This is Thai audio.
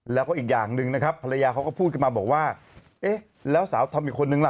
แล้วก็อีกอย่างหนึ่งนะครับภรรยาเขาก็พูดขึ้นมาบอกว่าเอ๊ะแล้วสาวทำอีกคนนึงล่ะ